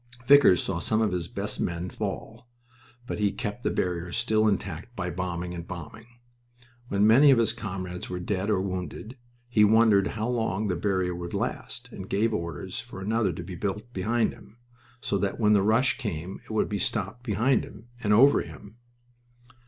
Vickers saw some of his best men fall, but he kept the barrier still intact by bombing and bombing. When many of his comrades were dead or wounded, he wondered how long the barrier would last, and gave orders for another to be built behind him, so that when the rush came it would be stopped behind him and over him.